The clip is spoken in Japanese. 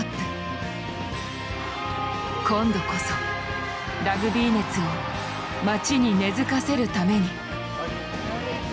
今度こそラグビー熱を町に根づかせるために。